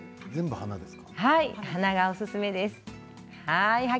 鼻がおすすめです。